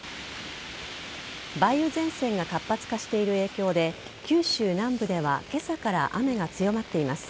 梅雨前線が活発化している影響で九州南部では今朝から雨が強まっています。